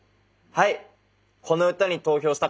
はい！